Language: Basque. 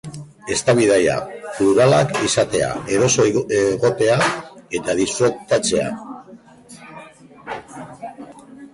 Eztabaida pluralak izatea, eroso egotea eta disfrutatzea.